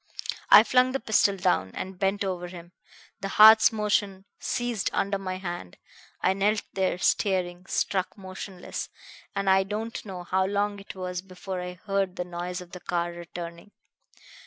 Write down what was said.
"I flung the pistol down, and bent over him. The heart's motion ceased under my hand. I knelt there staring, struck motionless; and I don't know how long it was before I heard the noise of the car returning.